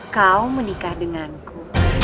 kau menikah denganku